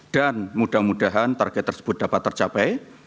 dan mudah mudahan target tersebut dapat tercapai